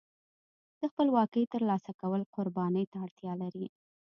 د خپلواکۍ ترلاسه کول قربانۍ ته اړتیا لري.